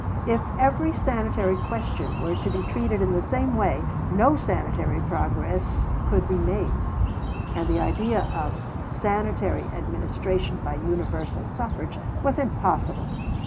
If every sanitary question were to be treated in the same way, no sanitary progress could be made; and the idea of "sanitary administration by universal suffrage" was impossible.